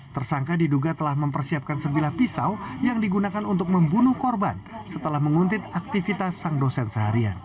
tersangka diduga telah mempersiapkan sebilah pisau yang digunakan untuk membunuh korban setelah menguntit aktivitas sang dosen seharian